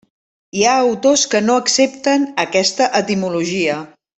Hi ha autors que no accepten aquesta etimologia.